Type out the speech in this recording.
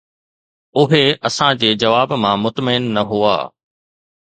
اهي اسان جي جواب مان مطمئن نه هئا.